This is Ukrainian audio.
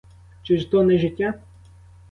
Чи ж то не життя?